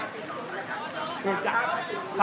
สวัสดีครับ